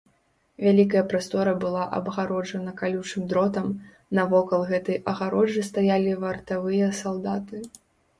Вялікая прастора была абгароджана калючым дротам, навокал гэтай агароджы стаялі вартавыя салдаты.